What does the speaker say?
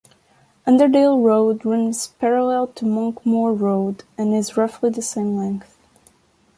Underdale Road runs parallel to Monkmoor Road and is roughly the same length.